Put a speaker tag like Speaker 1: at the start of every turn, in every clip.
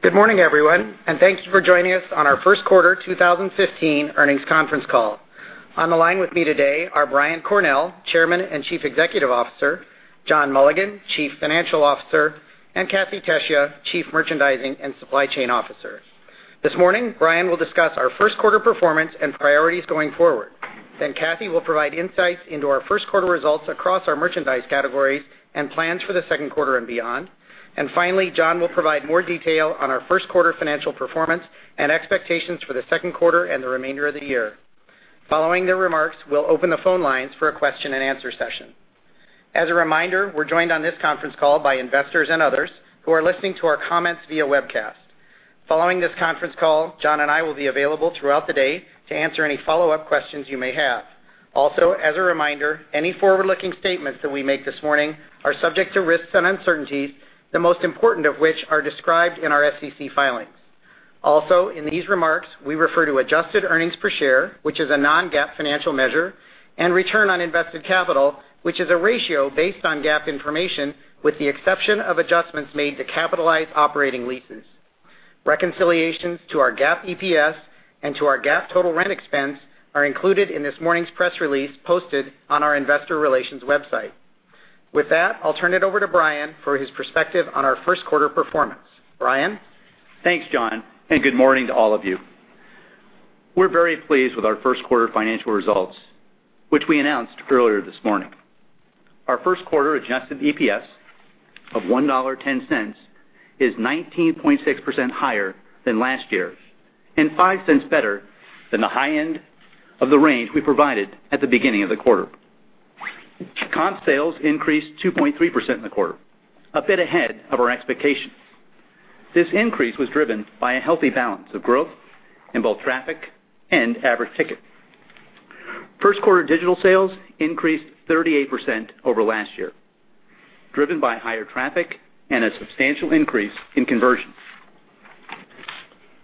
Speaker 1: Good morning, everyone, and thanks for joining us on our first quarter 2015 earnings conference call. On the line with me today are Brian Cornell, Chairman and Chief Executive Officer, John Mulligan, Chief Financial Officer, and Kathee Tesija, Chief Merchandising and Supply Chain Officer. This morning, Brian will discuss our first quarter performance and priorities going forward. Kathee will provide insights into our first quarter results across our merchandise categories and plans for the second quarter and beyond. Finally, John will provide more detail on our first quarter financial performance and expectations for the second quarter and the remainder of the year. Following their remarks, we'll open the phone lines for a question and answer session. As a reminder, we're joined on this conference call by investors and others who are listening to our comments via webcast. Following this conference call, John and I will be available throughout the day to answer any follow-up questions you may have. As a reminder, any forward-looking statements that we make this morning are subject to risks and uncertainties, the most important of which are described in our SEC filings. Also, in these remarks, we refer to adjusted earnings per share, which is a non-GAAP financial measure, and return on invested capital, which is a ratio based on GAAP information with the exception of adjustments made to capitalized operating leases. Reconciliations to our GAAP EPS and to our GAAP total rent expense are included in this morning's press release posted on our investor relations website. With that, I'll turn it over to Brian for his perspective on our first quarter performance. Brian?
Speaker 2: Thanks, John, and good morning to all of you. We're very pleased with our first quarter financial results, which we announced earlier this morning. Our first quarter adjusted EPS of $1.10 is 19.6% higher than last year and $0.05 better than the high end of the range we provided at the beginning of the quarter. Comp sales increased 2.3% in the quarter, a bit ahead of our expectations. This increase was driven by a healthy balance of growth in both traffic and average ticket. First quarter digital sales increased 38% over last year, driven by higher traffic and a substantial increase in conversions.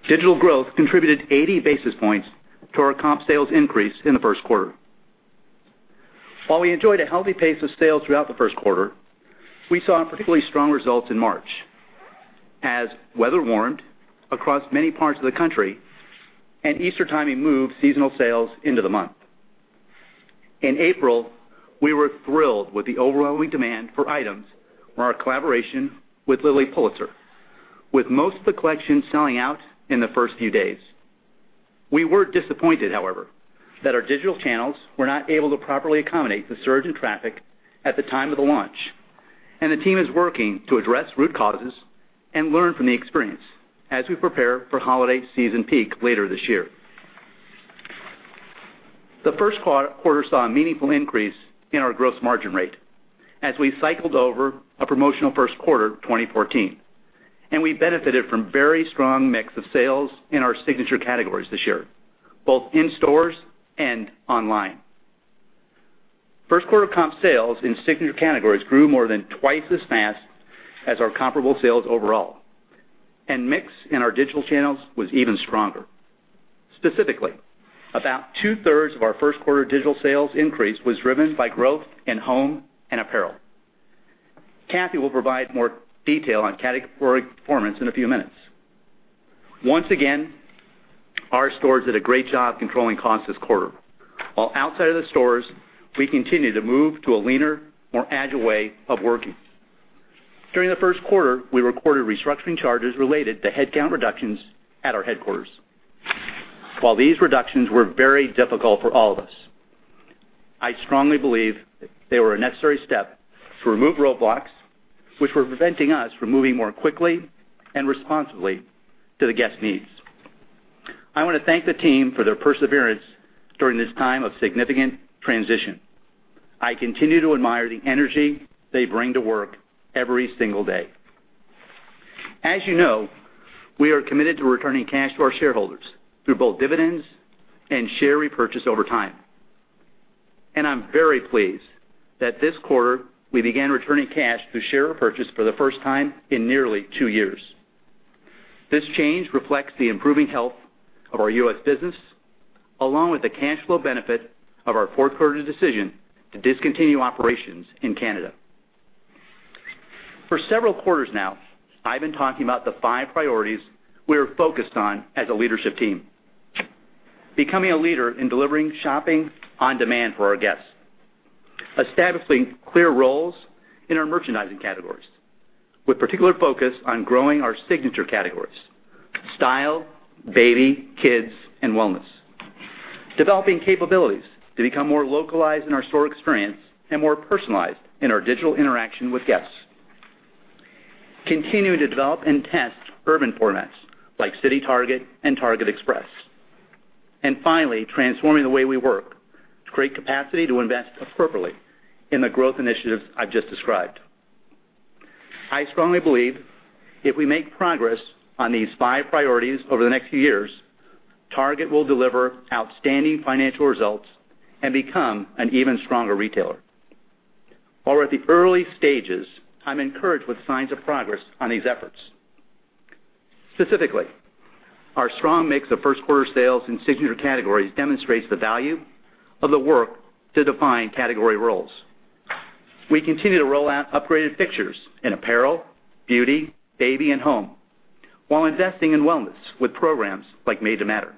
Speaker 2: Digital growth contributed 80 basis points to our comp sales increase in the first quarter. While we enjoyed a healthy pace of sales throughout the first quarter, we saw particularly strong results in March as weather warmed across many parts of the country and Easter timing moved seasonal sales into the month. In April, we were thrilled with the overwhelming demand for items from our collaboration with Lilly Pulitzer, with most of the collection selling out in the first few days. We were disappointed, however, that our digital channels were not able to properly accommodate the surge in traffic at the time of the launch, and the team is working to address root causes and learn from the experience as we prepare for holiday season peak later this year. The first quarter saw a meaningful increase in our gross margin rate as we cycled over a promotional first quarter 2014, we benefited from very strong mix of sales in our signature categories this year, both in stores and online. First quarter comp sales in signature categories grew more than twice as fast as our comparable sales overall. Mix in our digital channels was even stronger. Specifically, about two-thirds of our first quarter digital sales increase was driven by growth in home and apparel. Kathee will provide more detail on category performance in a few minutes. Once again, our stores did a great job controlling costs this quarter. Outside of the stores, we continue to move to a leaner, more agile way of working. During the first quarter, we recorded restructuring charges related to headcount reductions at our headquarters. These reductions were very difficult for all of us, I strongly believe they were a necessary step to remove roadblocks which were preventing us from moving more quickly and responsibly to the guest needs. I want to thank the team for their perseverance during this time of significant transition. I continue to admire the energy they bring to work every single day. As you know, we are committed to returning cash to our shareholders through both dividends and share repurchase over time. I'm very pleased that this quarter we began returning cash through share repurchase for the first time in nearly two years. This change reflects the improving health of our U.S. business, along with the cash flow benefit of our fourth quarter decision to discontinue operations in Canada. For several quarters now, I've been talking about the five priorities we are focused on as a leadership team. Becoming a leader in delivering shopping on demand for our guests. Establishing clear roles in our merchandising categories, with particular focus on growing our signature categories: style, baby, kids, and wellness. Developing capabilities to become more localized in our store experience and more personalized in our digital interaction with guests. Continuing to develop and test urban formats like CityTarget and TargetExpress. Finally, transforming the way we work to create capacity to invest appropriately in the growth initiatives I've just described. I strongly believe if we make progress on these five priorities over the next few years, Target will deliver outstanding financial results and become an even stronger retailer. We're at the early stages, I'm encouraged with signs of progress on these efforts. Specifically, our strong mix of first quarter sales in signature categories demonstrates the value of the work to define category roles. We continue to roll out upgraded pictures in apparel, beauty, baby, and home, while investing in wellness with programs like Made to Matter.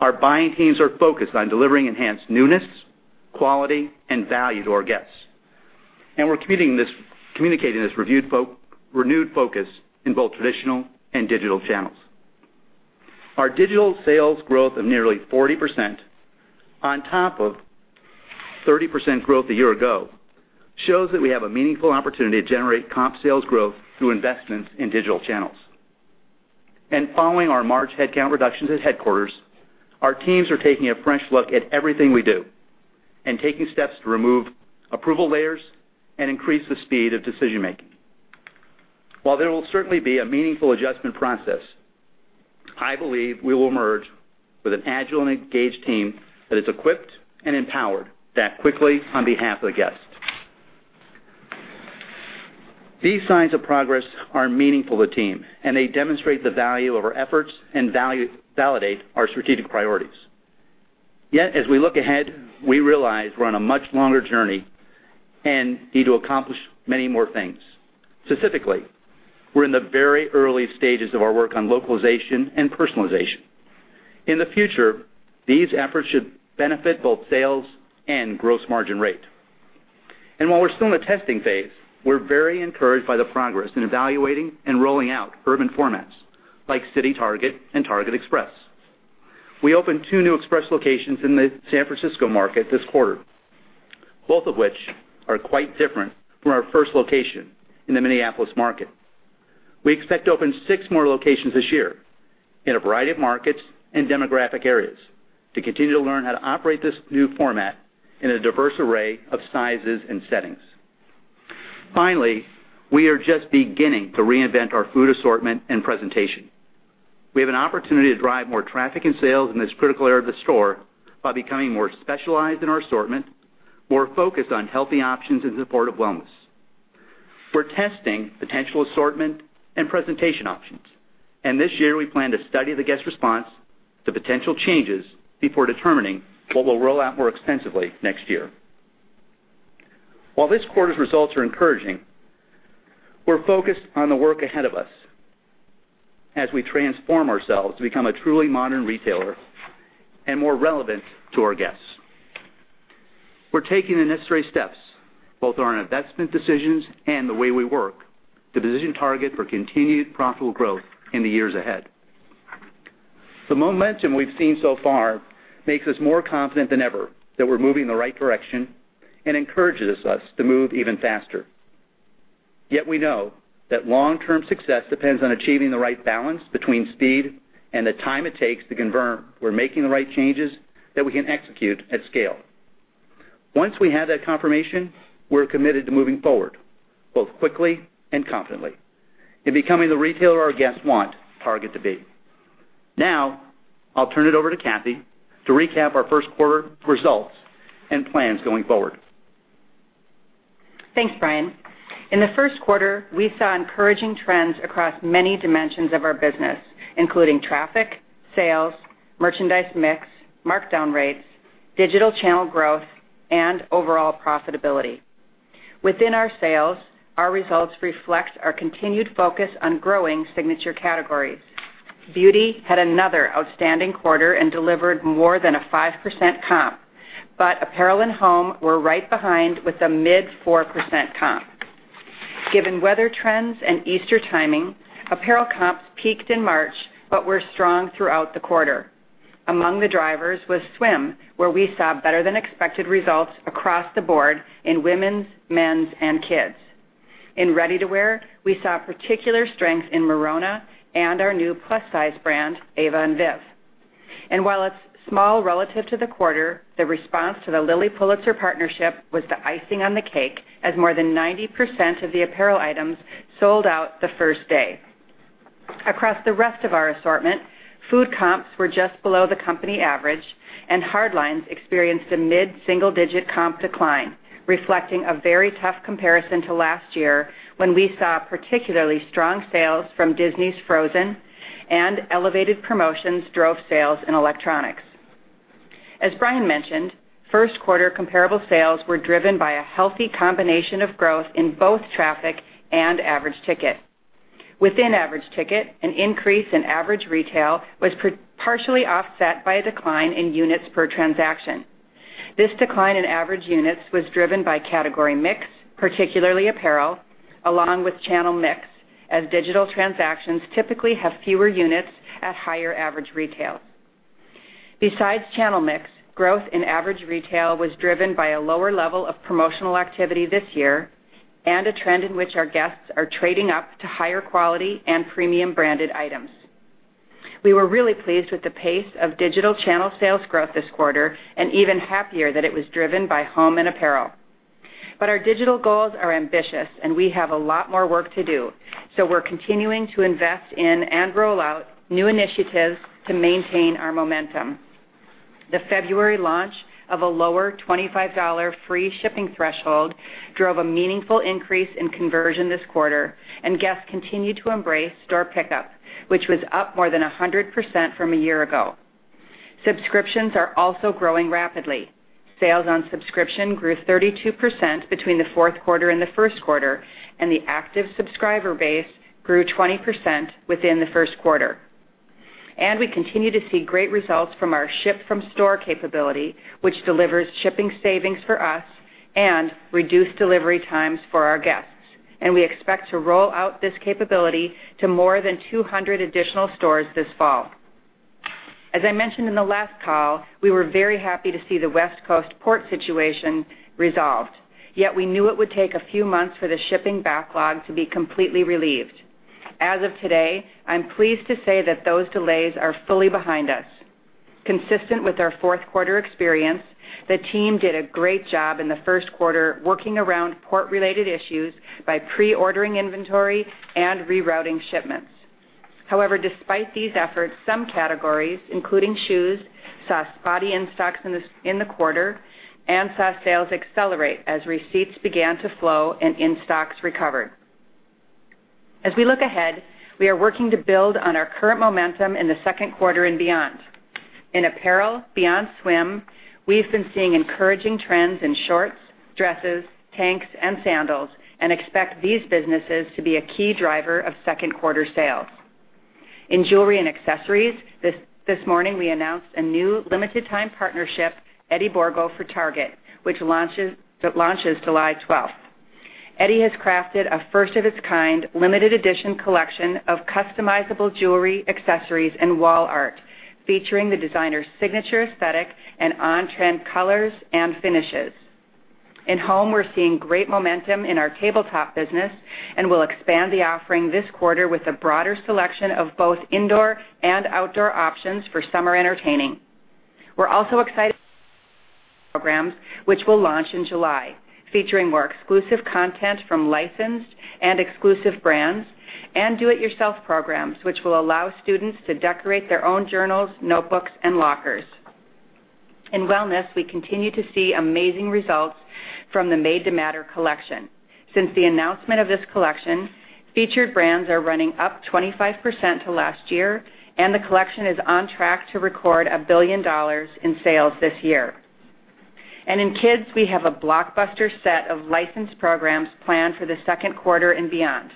Speaker 2: Our buying teams are focused on delivering enhanced newness, quality, and value to our guests. We're communicating this renewed focus in both traditional and digital channels. Our digital sales growth of nearly 40% on top of 30% growth a year ago shows that we have a meaningful opportunity to generate comp sales growth through investments in digital channels. Following our March headcount reductions at headquarters, our teams are taking a fresh look at everything we do and taking steps to remove approval layers and increase the speed of decision-making. There will certainly be a meaningful adjustment process, I believe we will emerge with an agile and engaged team that is equipped and empowered to act quickly on behalf of the guest. These signs of progress are meaningful to the team, and they demonstrate the value of our efforts and validate our strategic priorities. As we look ahead, we realize we're on a much longer journey and need to accomplish many more things. Specifically, we're in the very early stages of our work on localization and personalization. In the future, these efforts should benefit both sales and gross margin rate. While we're still in the testing phase, we're very encouraged by the progress in evaluating and rolling out urban formats like CityTarget and TargetExpress. We opened two new Express locations in the San Francisco market this quarter, both of which are quite different from our first location in the Minneapolis market. We expect to open six more locations this year in a variety of markets and demographic areas to continue to learn how to operate this new format in a diverse array of sizes and settings. Finally, we are just beginning to reinvent our food assortment and presentation. We have an opportunity to drive more traffic and sales in this critical area of the store by becoming more specialized in our assortment, more focused on healthy options in support of wellness. We're testing potential assortment and presentation options, and this year we plan to study the guest response to potential changes before determining what we'll roll out more extensively next year. While this quarter's results are encouraging, we're focused on the work ahead of us as we transform ourselves to become a truly modern retailer and more relevant to our guests. We're taking the necessary steps, both on our investment decisions and the way we work, to position Target for continued profitable growth in the years ahead. The momentum we've seen so far makes us more confident than ever that we're moving in the right direction and encourages us to move even faster. We know that long-term success depends on achieving the right balance between speed and the time it takes to confirm we're making the right changes that we can execute at scale. Once we have that confirmation, we're committed to moving forward, both quickly and confidently, in becoming the retailer our guests want Target to be. Now, I'll turn it over to Kathee to recap our first quarter results and plans going forward.
Speaker 3: Thanks, Brian. In the first quarter, we saw encouraging trends across many dimensions of our business, including traffic, sales, merchandise mix, markdown rates, digital channel growth, and overall profitability. Within our sales, our results reflect our continued focus on growing signature categories. Beauty had another outstanding quarter and delivered more than a 5% comp, but apparel and home were right behind with a mid 4% comp. Given weather trends and Easter timing, apparel comps peaked in March, but were strong throughout the quarter. Among the drivers was swim, where we saw better than expected results across the board in women's, men's, and kids. In ready-to-wear, we saw particular strength in Merona and our new plus-size brand, Ava & Viv. While it's small relative to the quarter, the response to the Lilly Pulitzer partnership was the icing on the cake, as more than 90% of the apparel items sold out the first day. Across the rest of our assortment, food comps were just below the company average, and hard lines experienced a mid-single-digit comp decline, reflecting a very tough comparison to last year when we saw particularly strong sales from Disney's Frozen and elevated promotions drove sales in electronics. As Brian mentioned, first quarter comparable sales were driven by a healthy combination of growth in both traffic and average ticket. Within average ticket, an increase in average retail was partially offset by a decline in units per transaction. This decline in average units was driven by category mix, particularly apparel, along with channel mix, as digital transactions typically have fewer units at higher average retail. Besides channel mix, growth in average retail was driven by a lower level of promotional activity this year and a trend in which our guests are trading up to higher quality and premium branded items. We were really pleased with the pace of digital channel sales growth this quarter and even happier that it was driven by home and apparel. Our digital goals are ambitious, and we have a lot more work to do, we're continuing to invest in and roll out new initiatives to maintain our momentum. The February launch of a lower $25 free shipping threshold drove a meaningful increase in conversion this quarter, and guests continued to embrace store pickup, which was up more than 100% from a year ago. Subscriptions are also growing rapidly. Sales on subscription grew 32% between the fourth quarter and the first quarter, and the active subscriber base grew 20% within the first quarter. We continue to see great results from our ship-from-store capability, which delivers shipping savings for us and reduced delivery times for our guests. We expect to roll out this capability to more than 200 additional stores this fall. As I mentioned in the last call, we were very happy to see the West Coast port situation resolved. We knew it would take a few months for the shipping backlog to be completely relieved. As of today, I'm pleased to say that those delays are fully behind us. Consistent with our fourth quarter experience, the team did a great job in the first quarter working around port-related issues by pre-ordering inventory and rerouting shipments. Despite these efforts, some categories, including shoes, saw spotty in-stocks in the quarter and saw sales accelerate as receipts began to flow and in-stocks recovered. As we look ahead, we are working to build on our current momentum in the second quarter and beyond. In apparel, beyond swim, we've been seeing encouraging trends in shorts, dresses, tanks, and sandals and expect these businesses to be a key driver of second-quarter sales. In jewelry and accessories, this morning, we announced a new limited-time partnership, Eddie Borgo for Target, which launches July 12th. Eddie has crafted a first-of-its-kind limited-edition collection of customizable jewelry, accessories, and wall art featuring the designer's signature aesthetic and on-trend colors and finishes. In home, we're seeing great momentum in our tabletop business, and we'll expand the offering this quarter with a broader selection of both indoor and outdoor options for summer entertaining. We're also excited about programs which will launch in July, featuring more exclusive content from licensed and exclusive brands, and do-it-yourself programs, which will allow students to decorate their own journals, notebooks, and lockers. In wellness, we continue to see amazing results from the Made to Matter collection. Since the announcement of this collection, featured brands are running up 25% to last year, and the collection is on track to record $1 billion in sales this year. In kids, we have a blockbuster set of licensed programs planned for the second quarter and beyond.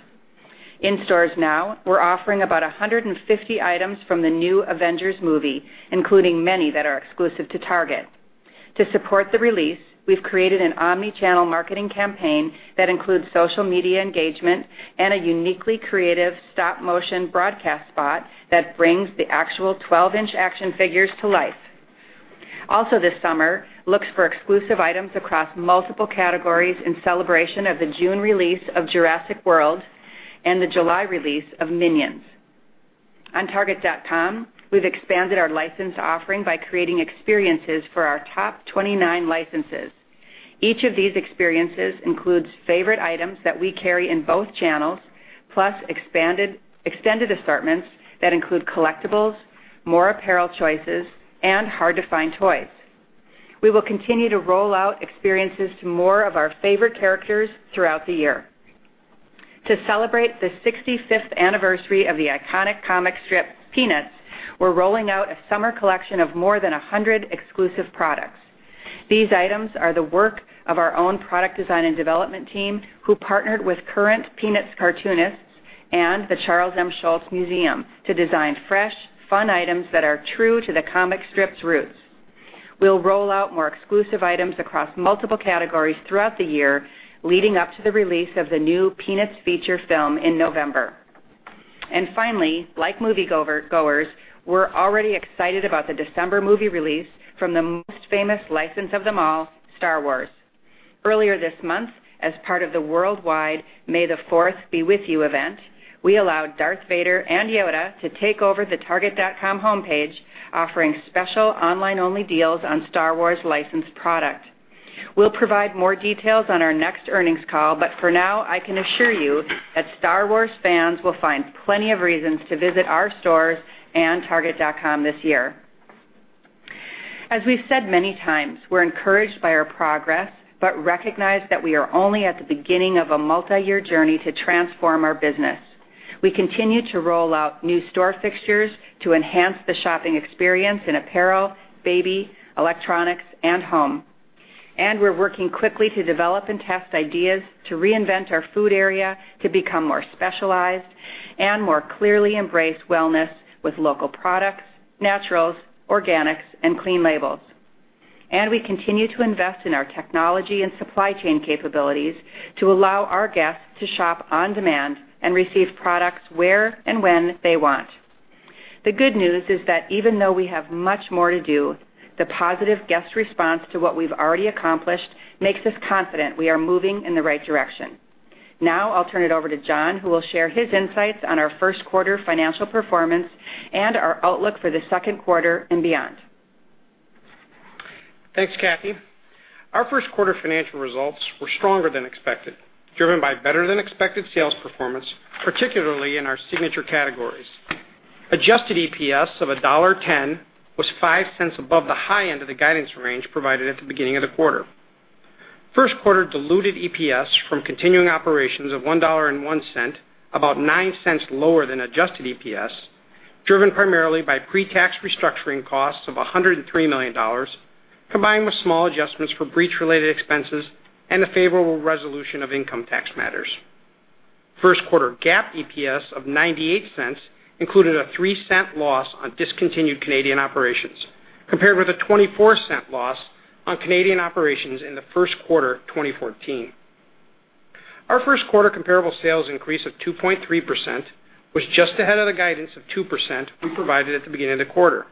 Speaker 3: In stores now, we're offering about 150 items from the new Avengers movie, including many that are exclusive to Target. To support the release, we've created an omni-channel marketing campaign that includes social media engagement and a uniquely creative stop-motion broadcast spot that brings the actual 12-inch action figures to life. Also this summer, look for exclusive items across multiple categories in celebration of the June release of Jurassic World and the July release of Minions. On target.com, we've expanded our licensed offering by creating experiences for our top 29 licenses. Each of these experiences includes favorite items that we carry in both channels, plus extended assortments that include collectibles, more apparel choices, and hard-to-find toys. We will continue to roll out experiences to more of our favorite characters throughout the year. To celebrate the 65th anniversary of the iconic comic strip Peanuts, we're rolling out a summer collection of more than 100 exclusive products. These items are the work of our own product design and development team, who partnered with current Peanuts cartoonists and the Charles M. Schulz Museum and Research Center to design fresh, fun items that are true to the comic strip's roots. We'll roll out more exclusive items across multiple categories throughout the year, leading up to the release of the new Peanuts feature film in November. Finally, like moviegoers, we're already excited about the December movie release from the most famous license of them all, Star Wars. Earlier this month, as part of the worldwide May the Fourth Be With You event, we allowed Darth Vader and Yoda to take over the target.com homepage, offering special online-only deals on Star Wars-licensed product. We'll provide more details on our next earnings call, but for now, I can assure you that Star Wars fans will find plenty of reasons to visit our stores and target.com this year. As we've said many times, we're encouraged by our progress but recognize that we are only at the beginning of a multi-year journey to transform our business. We continue to roll out new store fixtures to enhance the shopping experience in apparel, baby, electronics, and home. We're working quickly to develop and test ideas to reinvent our food area to become more specialized and more clearly embrace wellness with local products, naturals, organics, and clean labels. We continue to invest in our technology and supply chain capabilities to allow our guests to shop on demand and receive products where and when they want. The good news is that even though we have much more to do, the positive guest response to what we've already accomplished makes us confident we are moving in the right direction. Now, I'll turn it over to John, who will share his insights on our first quarter financial performance and our outlook for the second quarter and beyond.
Speaker 4: Thanks, Kathee. Our first quarter financial results were stronger than expected, driven by better-than-expected sales performance, particularly in our signature categories. Adjusted EPS of $1.10 was $0.05 above the high end of the guidance range provided at the beginning of the quarter. First quarter diluted EPS from continuing operations of $1.01, about $0.09 lower than adjusted EPS, driven primarily by pre-tax restructuring costs of $103 million, combined with small adjustments for breach-related expenses and the favorable resolution of income tax matters. First quarter GAAP EPS of $0.98 included a $0.03 loss on discontinued Canadian operations, compared with a $0.24 loss on Canadian operations in the first quarter 2014. Our first quarter comparable sales increase of 2.3% was just ahead of the guidance of 2% we provided at the beginning of the quarter.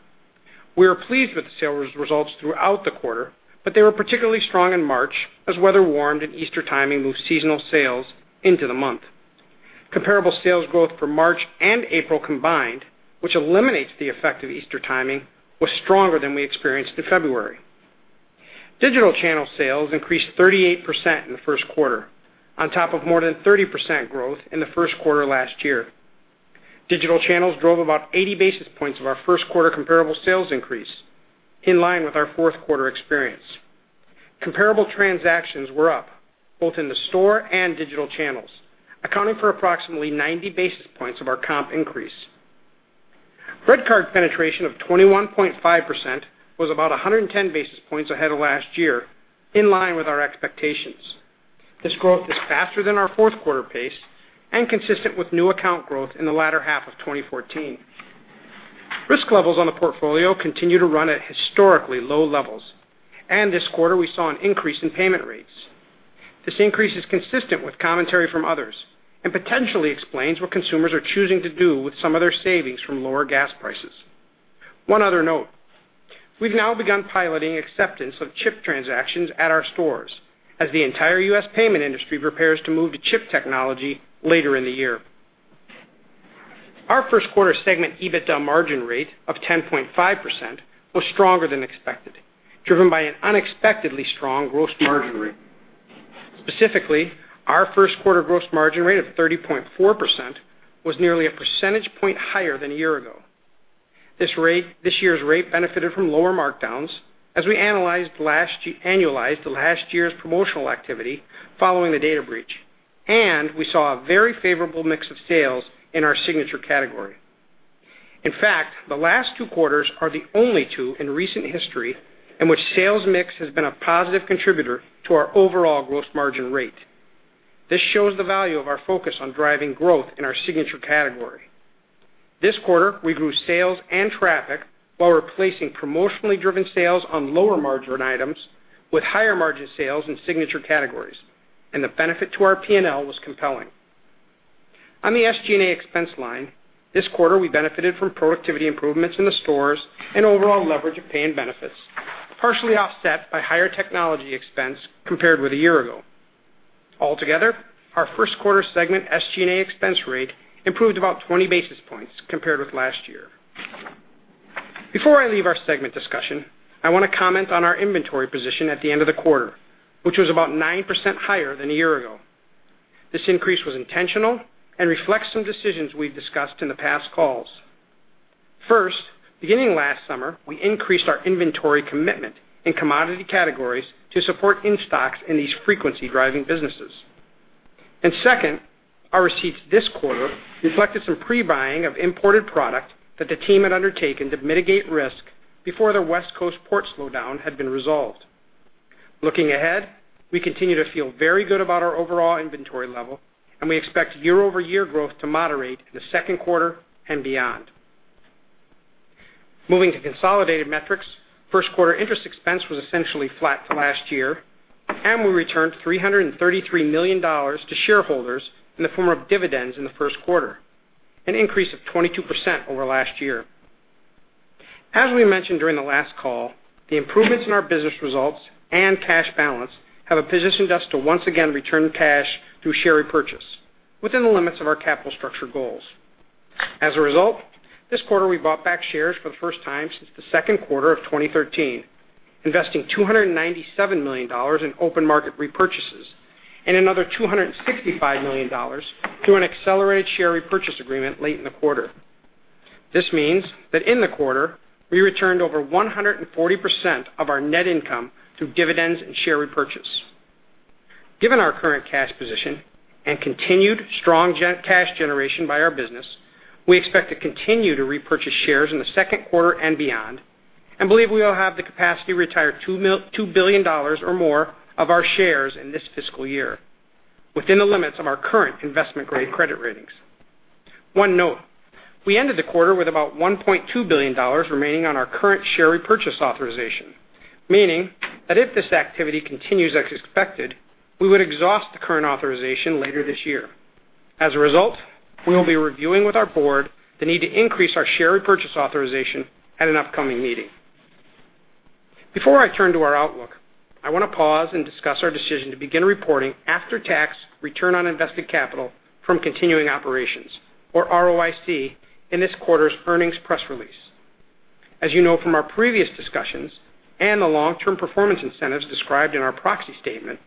Speaker 4: We were pleased with the sales results throughout the quarter, but they were particularly strong in March as weather warmed and Easter timing moved seasonal sales into the month. Comparable sales growth for March and April combined, which eliminates the effect of Easter timing, was stronger than we experienced in February. Digital channel sales increased 38% in the first quarter, on top of more than 30% growth in the first quarter last year. Digital channels drove about 80 basis points of our first quarter comparable sales increase, in line with our fourth quarter experience. Comparable transactions were up both in the store and digital channels, accounting for approximately 90 basis points of our comp increase. RedCard penetration of 21.5% was about 110 basis points ahead of last year, in line with our expectations. This growth is faster than our fourth quarter pace and consistent with new account growth in the latter half of 2014. Risk levels on the portfolio continue to run at historically low levels, and this quarter we saw an increase in payment rates. This increase is consistent with commentary from others and potentially explains what consumers are choosing to do with some of their savings from lower gas prices. One other note. We've now begun piloting acceptance of chip transactions at our stores as the entire U.S. payment industry prepares to move to chip technology later in the year. Our first quarter segment EBITDA margin rate of 10.5% was stronger than expected, driven by an unexpectedly strong gross margin rate. Specifically, our first quarter gross margin rate of 30.4% was nearly a percentage point higher than a year ago. This year's rate benefited from lower markdowns as we annualized the last year's promotional activity following the data breach. We saw a very favorable mix of sales in our signature category. In fact, the last two quarters are the only two in recent history in which sales mix has been a positive contributor to our overall gross margin rate. This shows the value of our focus on driving growth in our signature category. This quarter, we grew sales and traffic while replacing promotionally driven sales on lower-margin items with higher-margin sales in signature categories. The benefit to our P&L was compelling. On the SG&A expense line, this quarter we benefited from productivity improvements in the stores and overall leverage of pay and benefits, partially offset by higher technology expense compared with a year ago. Altogether, our first quarter segment SG&A expense rate improved about 20 basis points compared with last year. Before I leave our segment discussion, I want to comment on our inventory position at the end of the quarter, which was about 9% higher than a year ago. This increase was intentional and reflects some decisions we've discussed in the past calls. First, beginning last summer, we increased our inventory commitment in commodity categories to support in-stocks in these frequency-driving businesses. Second, our receipts this quarter reflected some pre-buying of imported product that the team had undertaken to mitigate risk before the West Coast port slowdown had been resolved. Looking ahead, we continue to feel very good about our overall inventory level, and we expect year-over-year growth to moderate in the second quarter and beyond. Moving to consolidated metrics, first quarter interest expense was essentially flat to last year. We returned $333 million to shareholders in the form of dividends in the first quarter, an increase of 22% over last year. As we mentioned during the last call, the improvements in our business results and cash balance have positioned us to once again return cash through share repurchase within the limits of our capital structure goals. As a result, this quarter we bought back shares for the first time since the second quarter of 2013, investing $297 million in open market repurchases and another $265 million through an accelerated share repurchase agreement late in the quarter. This means that in the quarter, we returned over 140% of our net income through dividends and share repurchase. Given our current cash position and continued strong cash generation by our business, we expect to continue to repurchase shares in the second quarter and beyond and believe we will have the capacity to retire $2 billion or more of our shares in this fiscal year within the limits of our current investment-grade credit ratings. One note: we ended the quarter with about $1.2 billion remaining on our current share repurchase authorization, meaning that if this activity continues as expected, we would exhaust the current authorization later this year. As a result, we will be reviewing with our board the need to increase our share repurchase authorization at an upcoming meeting. Before I turn to our outlook I want to pause and discuss our decision to begin reporting after-tax return on invested capital from continuing operations, or ROIC, in this quarter's earnings press release. As you know from our previous discussions and the long-term performance incentives described in our proxy statement,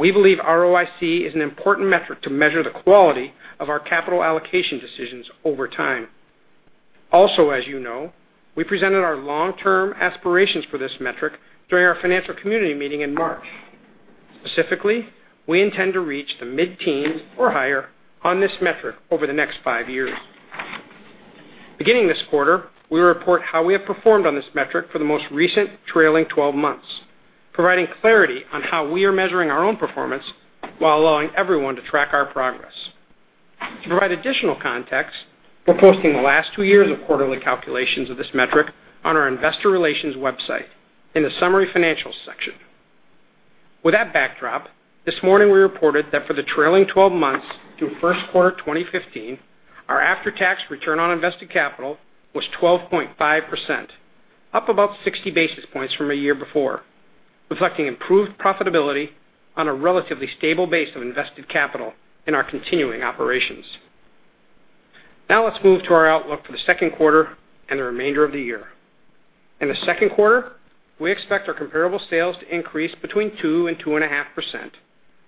Speaker 4: we believe ROIC is an important metric to measure the quality of our capital allocation decisions over time. Also, as you know, we presented our long-term aspirations for this metric during our financial community meeting in March. Specifically, we intend to reach the mid-teens or higher on this metric over the next five years. Beginning this quarter, we report how we have performed on this metric for the most recent trailing 12 months, providing clarity on how we are measuring our own performance while allowing everyone to track our progress. To provide additional context, we're posting the last two years of quarterly calculations of this metric on our investor relations website in the summary financials section. With that backdrop, this morning we reported that for the trailing 12 months through first quarter 2015, our after-tax return on invested capital was 12.5%, up about 60 basis points from a year before, reflecting improved profitability on a relatively stable base of invested capital in our continuing operations. Let's move to our outlook for the second quarter and the remainder of the year. In the second quarter, we expect our comparable sales to increase between 2% and 2.5%,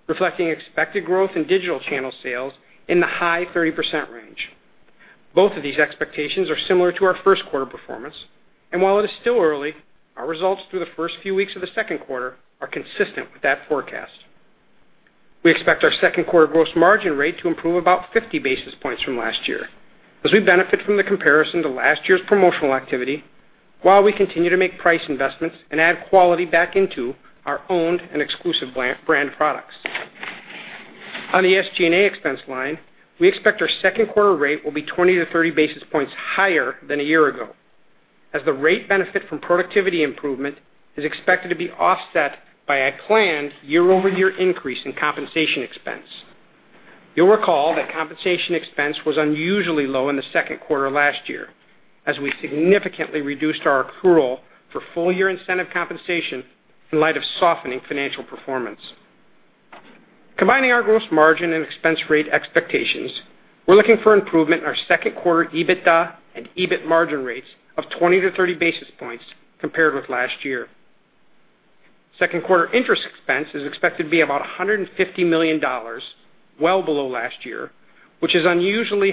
Speaker 4: reflecting expected growth in digital channel sales in the high 30% range. Both of these expectations are similar to our first quarter performance, and while it is still early, our results through the first few weeks of the second quarter are consistent with that forecast. We expect our second quarter gross margin rate to improve about 50 basis points from last year as we benefit from the comparison to last year's promotional activity while we continue to make price investments and add quality back into our owned and exclusive brand products. On the SG&A expense line, we expect our second quarter rate will be 20 to 30 basis points higher than a year ago, as the rate benefit from productivity improvement is expected to be offset by a planned year-over-year increase in compensation expense. You'll recall that compensation expense was unusually low in the second quarter last year as we significantly reduced our accrual for full-year incentive compensation in light of softening financial performance. Combining our gross margin and expense rate expectations, we're looking for improvement in our second quarter EBITDA and EBIT margin rates of 20 to 30 basis points compared with last year. Second quarter interest expense is expected to be about $150 million, well below last year, which was unusually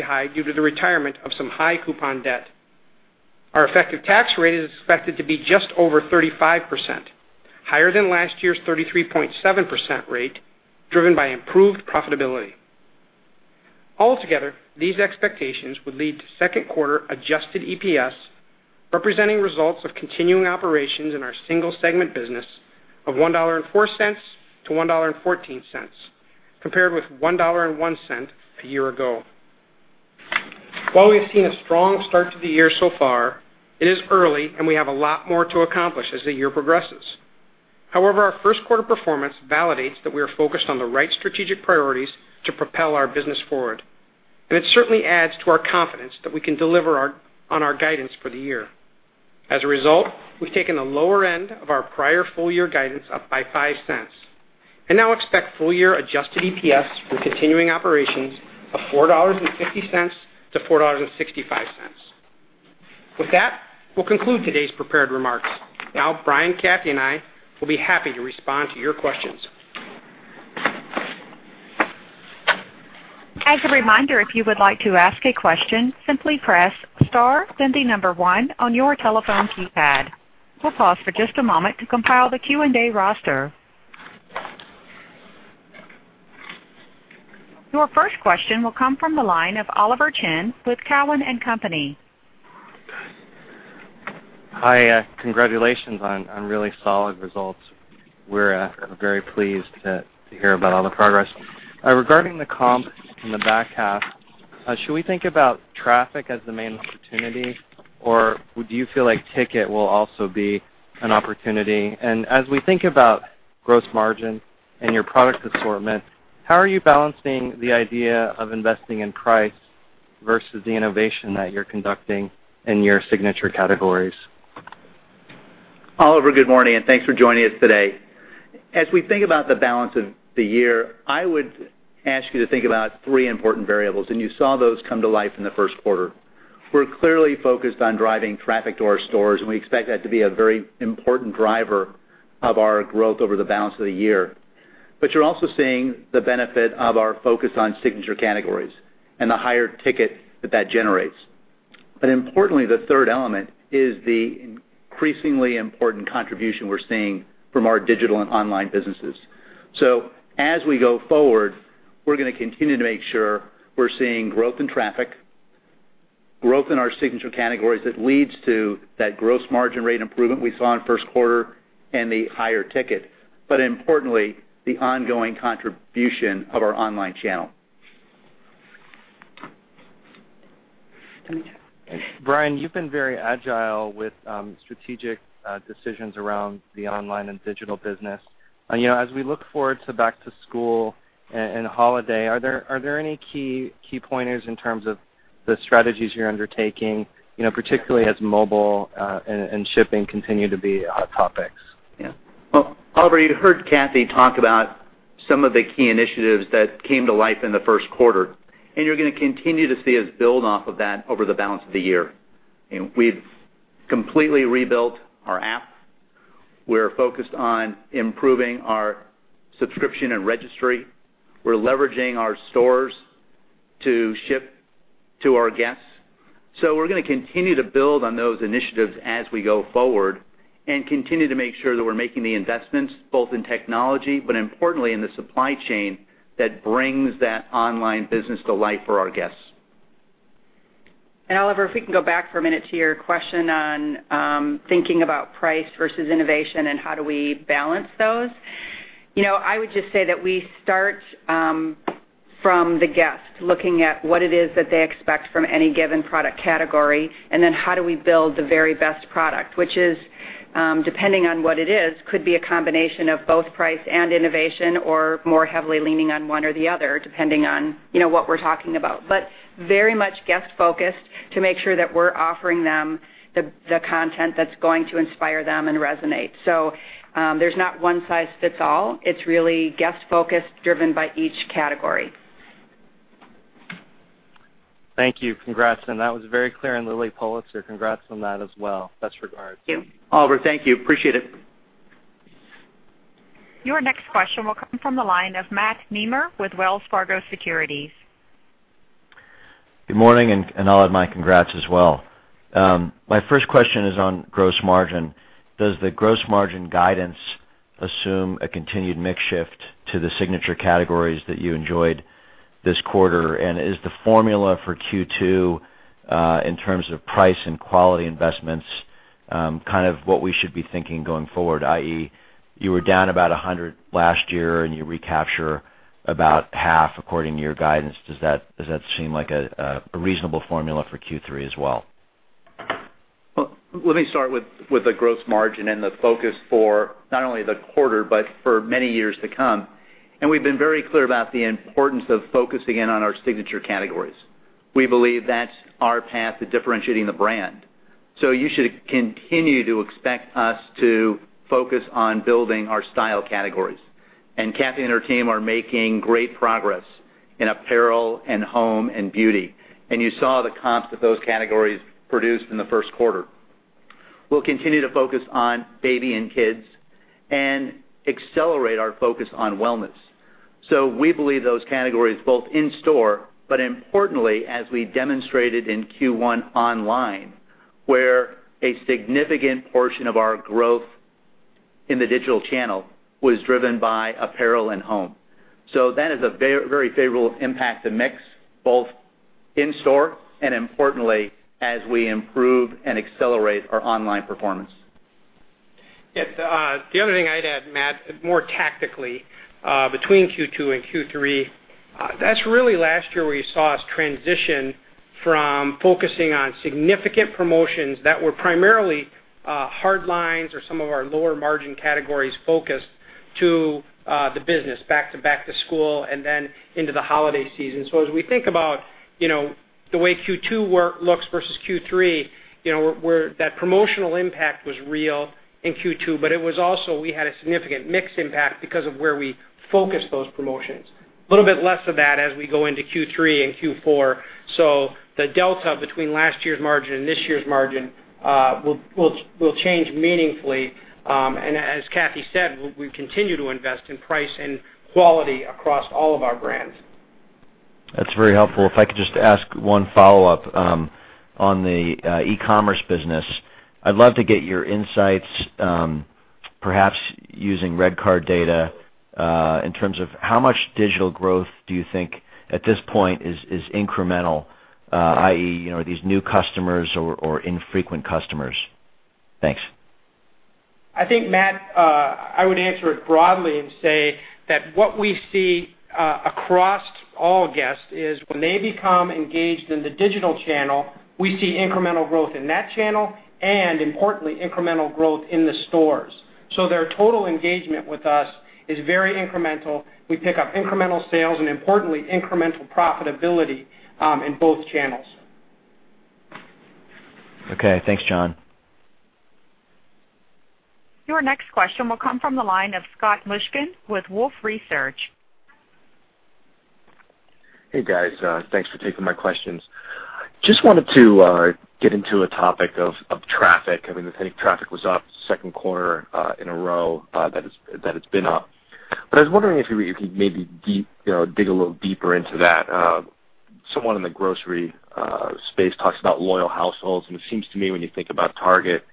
Speaker 4: high due to the retirement of some high coupon debt. Our effective tax rate is expected to be just over 35%, higher than last year's 33.7% rate, driven by improved profitability. Altogether, these expectations would lead to second quarter adjusted EPS representing results of continuing operations in our single-segment business of $1.04 to $1.14, compared with $1.01 a year ago. While we have seen a strong start to the year so far, it is early and we have a lot more to accomplish as the year progresses. However, our first quarter performance validates that we are focused on the right strategic priorities to propel our business forward, and it certainly adds to our confidence that we can deliver on our guidance for the year. As a result, we've taken the lower end of our prior full year guidance up by $0.05 and now expect full year adjusted EPS for continuing operations of $4.50 to $4.65. With that, we'll conclude today's prepared remarks. Brian, Kathee, and I will be happy to respond to your questions.
Speaker 5: As a reminder, if you would like to ask a question, simply press star, then the number one on your telephone keypad. We'll pause for just a moment to compile the Q&A roster. Your first question will come from the line of Oliver Chen with Cowen and Company.
Speaker 6: Hi. Congratulations on really solid results. We're very pleased to hear about all the progress. Regarding the comp in the back half, should we think about traffic as the main opportunity, or do you feel like ticket will also be an opportunity? As we think about gross margin and your product assortment, how are you balancing the idea of investing in price versus the innovation that you're conducting in your signature categories?
Speaker 2: Oliver, good morning, and thanks for joining us today. As we think about the balance of the year, I would ask you to think about three important variables, and you saw those come to life in the first quarter. We're clearly focused on driving traffic to our stores, and we expect that to be a very important driver of our growth over the balance of the year. You're also seeing the benefit of our focus on signature categories and the higher ticket that generates. Importantly, the third element is the increasingly important contribution we're seeing from our digital and online businesses. As we go forward, we're going to continue to make sure we're seeing growth in traffic, growth in our signature categories that leads to that gross margin rate improvement we saw in the first quarter and the higher ticket.
Speaker 4: Importantly, the ongoing contribution of our online channel.
Speaker 6: Brian, you've been very agile with strategic decisions around the online and digital business. As we look forward to back to school and holiday, are there any key pointers in terms of the strategies you're undertaking, particularly as mobile and shipping continue to be hot topics?
Speaker 2: Well, Oliver, you heard Kathee talk about Some of the key initiatives that came to life in the first quarter, you're going to continue to see us build off of that over the balance of the year. We've completely rebuilt our app. We're focused on improving our subscription and registry. We're leveraging our stores to ship to our guests. We're going to continue to build on those initiatives as we go forward and continue to make sure that we're making the investments both in technology, but importantly, in the supply chain that brings that online business to life for our guests.
Speaker 3: Oliver, if we can go back for a minute to your question on thinking about price versus innovation and how do we balance those. I would just say that we start from the guest, looking at what it is that they expect from any given product category, and then how do we build the very best product, which is, depending on what it is, could be a combination of both price and innovation or more heavily leaning on one or the other, depending on what we're talking about. Very much guest-focused to make sure that we're offering them the content that's going to inspire them and resonate. There's not one size fits all. It's really guest-focused, driven by each category.
Speaker 6: Thank you. Congrats, that was very clear on the Lilly Pulitzer. Congrats on that as well. Best regards.
Speaker 2: Oliver, thank you. Appreciate it.
Speaker 5: Your next question will come from the line of Matt Nemer with Wells Fargo Securities.
Speaker 7: Good morning, all of my congrats as well. My first question is on gross margin. Does the gross margin guidance assume a continued mix shift to the signature categories that you enjoyed this quarter? Is the formula for Q2, in terms of price and quality investments, what we should be thinking going forward, i.e., you were down about 100 last year and you recapture about half according to your guidance. Does that seem like a reasonable formula for Q3 as well?
Speaker 2: Well, let me start with the gross margin and the focus for not only the quarter, but for many years to come. We've been very clear about the importance of focusing in on our signature categories. We believe that's our path to differentiating the brand. You should continue to expect us to focus on building our style categories. Kathee and her team are making great progress in apparel and home and beauty. You saw the comps that those categories produced in the first quarter. We'll continue to focus on baby and kids and accelerate our focus on wellness. We believe those categories both in store, but importantly, as we demonstrated in Q1 online, where a significant portion of our growth in the digital channel was driven by apparel and home. That is a very favorable impact to mix, both in store and importantly, as we improve and accelerate our online performance.
Speaker 4: The other thing I'd add, Matt, more tactically, between Q2 and Q3, that's really last year where you saw us transition from focusing on significant promotions that were primarily hard lines or some of our lower margin categories focused to the business back to school and then into the holiday season. As we think about the way Q2 work looks versus Q3, where that promotional impact was real in Q2, but it was also we had a significant mix impact because of where we focused those promotions. A little bit less of that as we go into Q3 and Q4. The delta between last year's margin and this year's margin will change meaningfully. As Kathee said, we continue to invest in price and quality across all of our brands.
Speaker 7: That's very helpful. If I could just ask one follow-up on the e-commerce business. I'd love to get your insights, perhaps using RedCard data, in terms of how much digital growth do you think at this point is incremental, i.e., these new customers or infrequent customers. Thanks.
Speaker 4: I think, Matt, I would answer it broadly and say that what we see across all guests is when they become engaged in the digital channel, we see incremental growth in that channel and importantly, incremental growth in the stores. Their total engagement with us is very incremental. We pick up incremental sales and importantly, incremental profitability in both channels.
Speaker 7: Okay. Thanks, John.
Speaker 5: Your next question will come from the line of Scott Mushkin with Wolfe Research.
Speaker 8: Hey, guys. Thanks for taking my questions. Just wanted to get into a topic of traffic. I think traffic was up second quarter in a row that it's been up. I was wondering if you maybe dig a little deeper into that. Someone in the grocery space talks about loyal households, and it seems to me when you think about Target,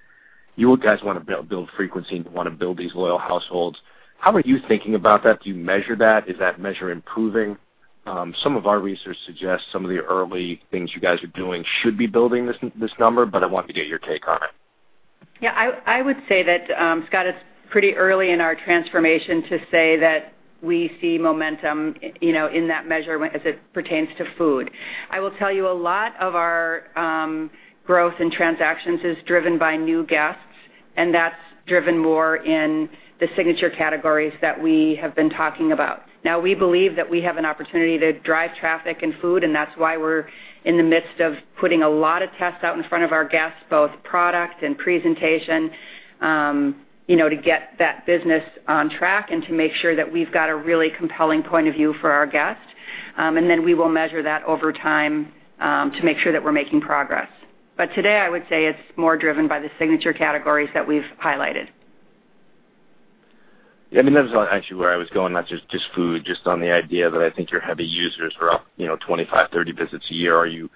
Speaker 8: you guys want to build frequency and want to build these loyal households. How are you thinking about that? Do you measure that? Is that measure improving? Some of our research suggests some of the early things you guys are doing should be building this number, but I wanted to get your take on it.
Speaker 3: Scott, I would say that it's pretty early in our transformation to say that we see momentum in that measure as it pertains to food. I will tell you a lot of our growth in transactions is driven by new guests, and that's driven more in the signature categories that we have been talking about. We believe that we have an opportunity to drive traffic and food, and that's why we're in the midst of putting a lot of tests out in front of our guests, both product and presentation, to get that business on track and to make sure that we've got a really compelling point of view for our guests. We will measure that over time to make sure that we're making progress. Today, I would say it's more driven by the signature categories that we've highlighted.
Speaker 8: That was actually where I was going, not just food. Just on the idea that I think your heavy users are up 25, 30 visits a year. Are you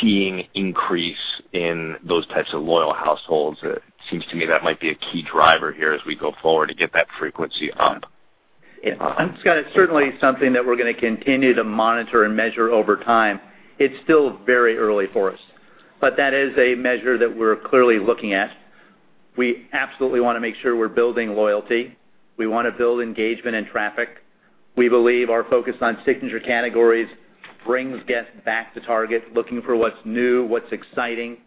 Speaker 8: seeing increase in those types of loyal households? It seems to me that might be a key driver here as we go forward to get that frequency up.
Speaker 2: Scott, it's certainly something that we're going to continue to monitor and measure over time. It's still very early for us. That is a measure that we're clearly looking at. We absolutely want to make sure we're building loyalty. We want to build engagement and traffic. We believe our focus on signature categories brings guests back to Target, looking for what's new, what's exciting.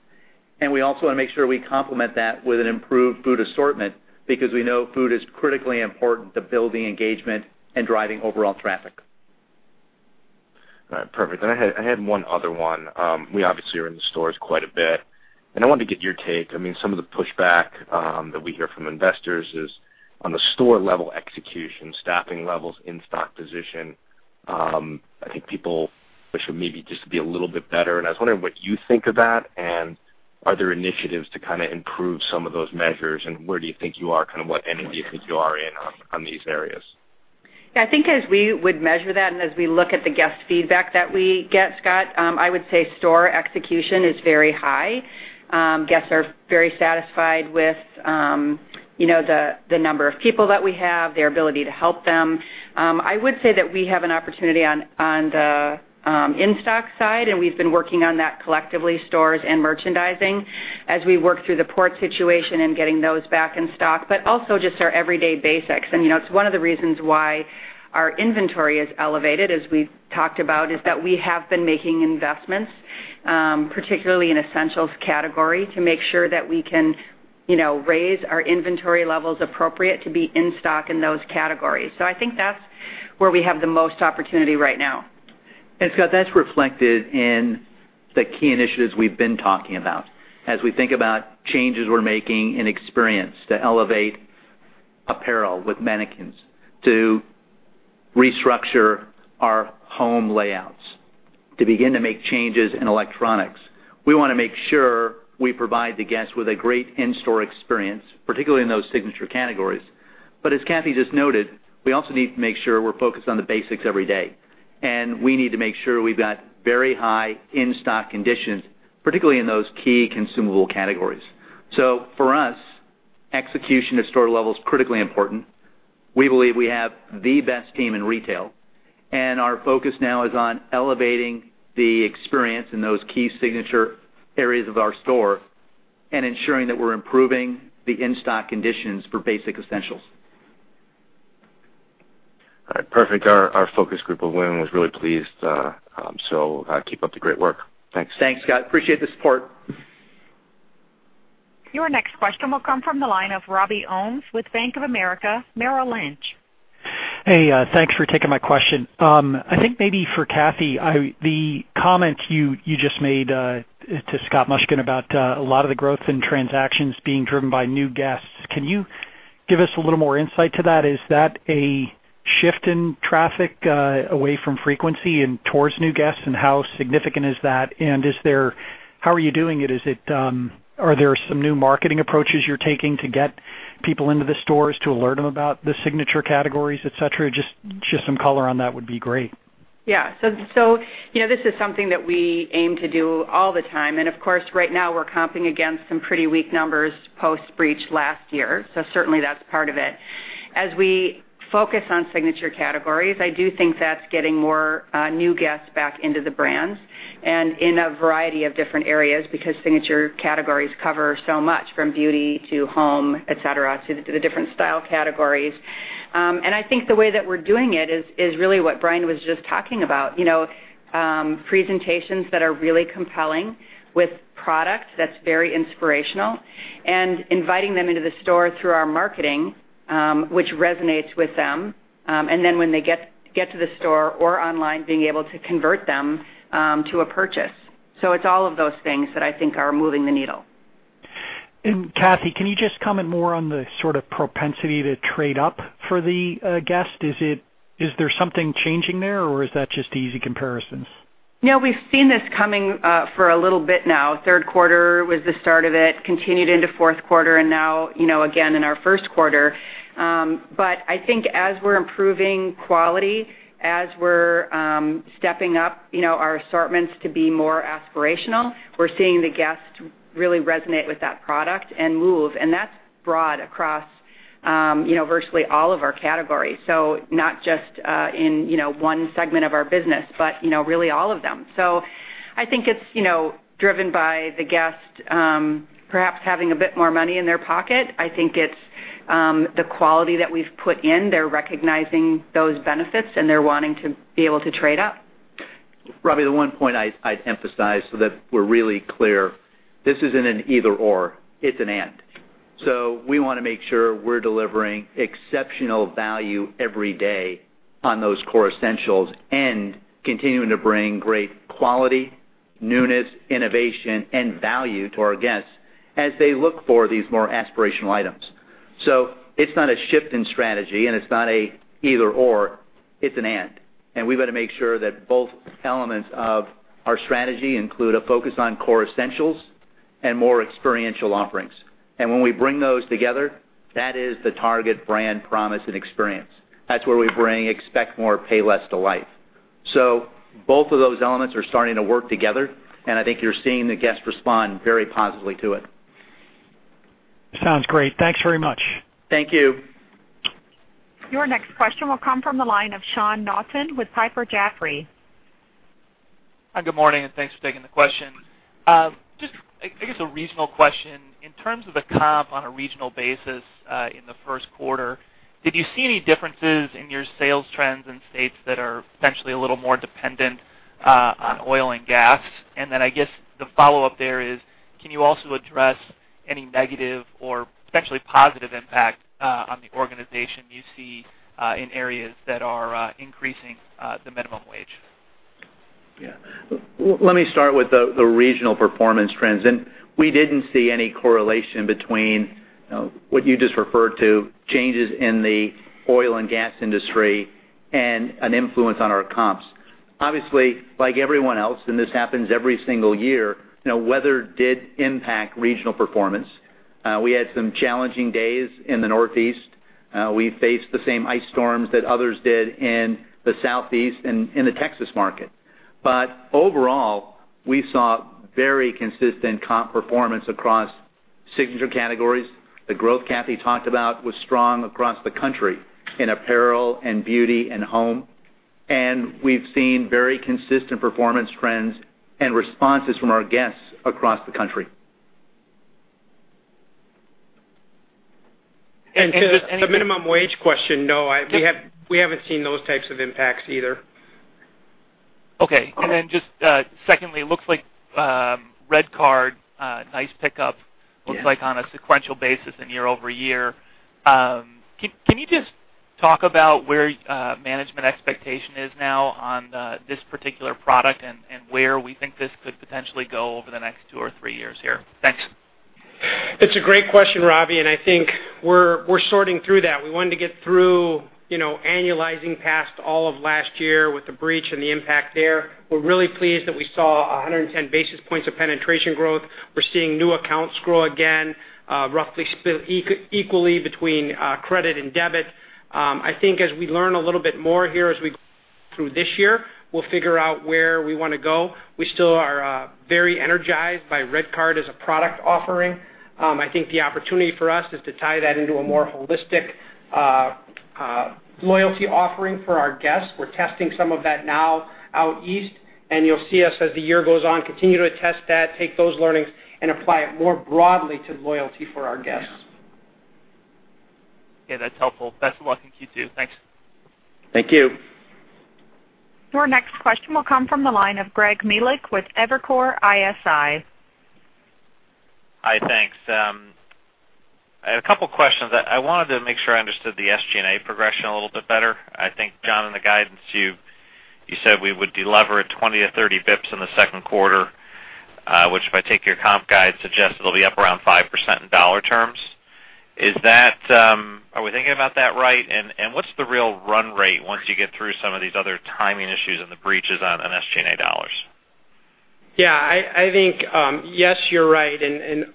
Speaker 2: We also want to make sure we complement that with an improved food assortment, because we know food is critically important to building engagement and driving overall traffic.
Speaker 8: All right, perfect. I had one other one. We obviously are in the stores quite a bit, and I wanted to get your take. Some of the pushback that we hear from investors is on the store-level execution, staffing levels, in-stock position, which would maybe just be a little bit better. I was wondering what you think of that. Are there initiatives to improve some of those measures? Where do you think you are? What end do you think you are in on these areas?
Speaker 3: I think as we would measure that and as we look at the guest feedback that we get, Scott, I would say store execution is very high. Guests are very satisfied with the number of people that we have, their ability to help them. I would say that we have an opportunity on the in-stock side, and we've been working on that collectively, stores and merchandising, as we work through the port situation and getting those back in stock, but also just our everyday basics. It's one of the reasons why our inventory is elevated, as we've talked about, is that we have been making investments, particularly in essentials category, to make sure that we can raise our inventory levels appropriate to be in stock in those categories. I think that's where we have the most opportunity right now.
Speaker 2: Scott, that's reflected in the key initiatives we've been talking about. As we think about changes we're making in experience to elevate apparel with mannequins, to restructure our home layouts, to begin to make changes in electronics. We want to make sure we provide the guests with a great in-store experience, particularly in those signature categories. As Kathee just noted, we also need to make sure we're focused on the basics every day. We need to make sure we've got very high in-stock conditions, particularly in those key consumable categories. For us, execution at store level is critically important. We believe we have the best team in retail, and our focus now is on elevating the experience in those key signature areas of our store and ensuring that we're improving the in-stock conditions for basic essentials.
Speaker 8: All right. Perfect. Our focus group of women was really pleased. Keep up the great work. Thanks.
Speaker 2: Thanks, Scott. Appreciate the support.
Speaker 5: Your next question will come from the line of Robby Ohmes with Bank of America Merrill Lynch.
Speaker 9: Hey, thanks for taking my question. I think maybe for Kathee, the comment you just made to Scott Mushkin about a lot of the growth in transactions being driven by new guests, can you give us a little more insight to that? Is that a shift in traffic away from frequency and towards new guests, and how significant is that? How are you doing it? Are there some new marketing approaches you're taking to get people into the stores to alert them about the signature categories, et cetera? Just some color on that would be great.
Speaker 3: Yeah. This is something that we aim to do all the time. Of course, right now, we're comping against some pretty weak numbers post-breach last year. Certainly that's part of it. As we focus on signature categories, I do think that's getting more new guests back into the brands and in a variety of different areas, because signature categories cover so much, from beauty to home, et cetera, to the different style categories. I think the way that we're doing it is really what Brian was just talking about. Presentations that are really compelling with product that's very inspirational, and inviting them into the store through our marketing, which resonates with them. Then when they get to the store or online, being able to convert them to a purchase. It's all of those things that I think are moving the needle.
Speaker 9: Kathee, can you just comment more on the sort of propensity to trade up for the guest? Is there something changing there, or is that just easy comparisons?
Speaker 3: We've seen this coming for a little bit now. Third quarter was the start of it, continued into fourth quarter, and now again in our first quarter. I think as we're improving quality, as we're stepping up our assortments to be more aspirational, we're seeing the guests really resonate with that product and move. That's broad across virtually all of our categories. Not just in one segment of our business, but really all of them. I think it's driven by the guest perhaps having a bit more money in their pocket. I think it's the quality that we've put in. They're recognizing those benefits, and they're wanting to be able to trade up.
Speaker 2: Robby, the one point I'd emphasize so that we're really clear, this isn't an either/or. It's an and. We want to make sure we're delivering exceptional value every day on those core essentials and continuing to bring great quality, newness, innovation, and value to our guests as they look for these more aspirational items. It's not a shift in strategy, and it's not a either/or, it's an and. We've got to make sure that both elements of our strategy include a focus on core essentials and more experiential offerings. When we bring those together, that is the Target brand promise and experience. That's where we bring expect more, pay less to life. Both of those elements are starting to work together, and I think you're seeing the guests respond very positively to it.
Speaker 9: Sounds great. Thanks very much.
Speaker 2: Thank you.
Speaker 5: Your next question will come from the line of Sean Naughton with Piper Jaffray.
Speaker 10: Hi, good morning, thanks for taking the question. I guess a regional question. In terms of the comp on a regional basis in the first quarter, did you see any differences in your sales trends in states that are potentially a little more dependent on oil and gas? Then, I guess the follow-up there is, can you also address any negative or potentially positive impact on the organization you see in areas that are increasing the minimum wage?
Speaker 2: Let me start with the regional performance trends. We didn't see any correlation between what you just referred to, changes in the oil and gas industry and an influence on our comps. Obviously, like everyone else, this happens every single year, weather did impact regional performance. We had some challenging days in the Northeast. We faced the same ice storms that others did in the Southeast and in the Texas market. Overall, we saw very consistent comp performance across signature categories. The growth Kathee talked about was strong across the country in apparel and beauty and home, we've seen very consistent performance trends and responses from our guests across the country.
Speaker 4: To the minimum wage question, no, we haven't seen those types of impacts either.
Speaker 10: Then just secondly, it looks like RedCard, nice pickup-
Speaker 2: Yeah.
Speaker 10: looks like on a sequential basis and year-over-year. Can you just talk about where management expectation is now on this particular product and where we think this could potentially go over the next two or three years here? Thanks.
Speaker 4: It's a great question, Robby, and I think we're sorting through that. We wanted to get through annualizing past all of last year with the breach and the impact there. We're really pleased that we saw 110 basis points of penetration growth. We're seeing new accounts grow again, roughly split equally between credit and debit. I think as we learn a little bit more here as we go through this year, we'll figure out where we want to go. We still are very energized by RedCard as a product offering. I think the opportunity for us is to tie that into a more holistic loyalty offering for our guests. We're testing some of that now out east, and you'll see us, as the year goes on, continue to test that, take those learnings, and apply it more broadly to loyalty for our guests.
Speaker 10: Okay, that's helpful. Best of luck in Q2. Thanks.
Speaker 4: Thank you.
Speaker 5: Your next question will come from the line of Greg Melich with Evercore ISI.
Speaker 11: Hi, thanks. I have a couple questions. I wanted to make sure I understood the SG&A progression a little bit better. I think, John, in the guidance you said we would delever it 20 to 30 bps in the second quarter, which if I take your comp guide, suggests it'll be up around 5% in dollar terms. Are we thinking about that right? What's the real run rate once you get through some of these other timing issues and the breaches on SG&A dollars?
Speaker 4: Yeah, I think, yes, you're right.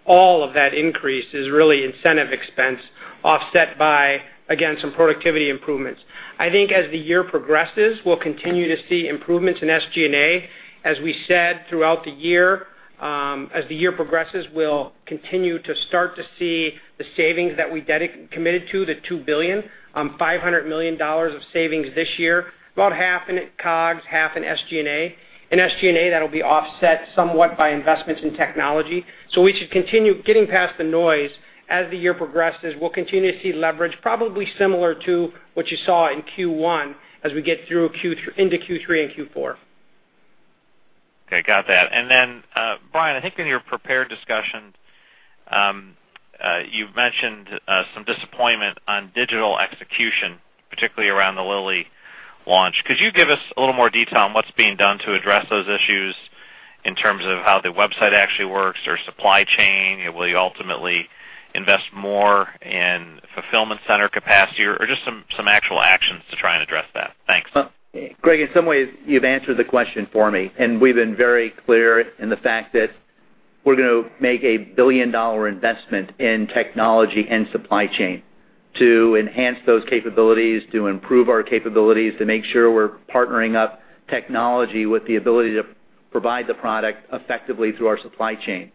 Speaker 4: All of that increase is really incentive expense offset by, again, some productivity improvements. I think as the year progresses, we'll continue to see improvements in SG&A. As we said throughout the year, as the year progresses, we'll continue to start to see the savings that we committed to, the $2.5 billion of savings this year, about half in COGS, half in SG&A. In SG&A, that'll be offset somewhat by investments in technology. We should continue getting past the noise. As the year progresses, we'll continue to see leverage, probably similar to what you saw in Q1 as we get into Q3 and Q4.
Speaker 11: Okay, got that. Then, Brian, I think in your prepared discussion, you've mentioned some disappointment on digital execution, particularly around the Lilly launch. Could you give us a little more detail on what's being done to address those issues in terms of how the website actually works or supply chain? Will you ultimately invest more in fulfillment center capacity or just some actual actions to try and address that? Thanks.
Speaker 2: Greg, in some ways, you've answered the question for me. We've been very clear in the fact that we're going to make a billion-dollar investment in technology and supply chain to enhance those capabilities, to improve our capabilities, to make sure we're partnering up technology with the ability to provide the product effectively through our supply chain.